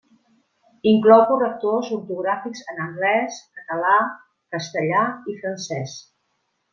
Inclou correctors ortogràfics en anglès, català, castellà i francès.